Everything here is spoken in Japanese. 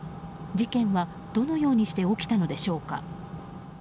事件は、どのようにして起きたのでしょうか。